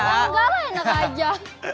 oh enggak lah enak aja